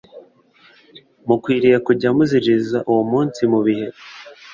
mukwiriye kujya muziririza uwo munsi mu bihe